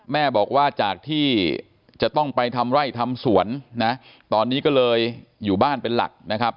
แม่บอกว่าจากที่จะต้องไปทำไร่ทำสวนนะตอนนี้ก็เลยอยู่บ้านเป็นหลักนะครับ